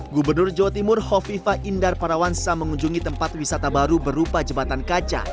gubernur jawa timur hovifa indar parawansa mengunjungi tempat wisata baru berupa jembatan kaca